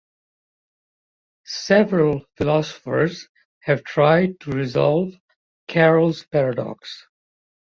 Several philosophers have tried to resolve Carroll's paradox.